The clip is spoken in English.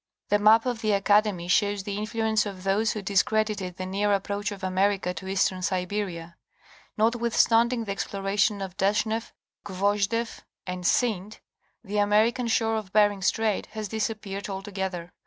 . The map of the Academy shows the influence of those who discredited the near approach of America to eastern Siberia ; notwithstanding the explorations of Deshneff, Gvosdeff and Synd, the American shore of Bering Strait has disappeared altogether.